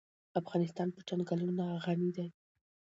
افغانستان په چنګلونه غني دی.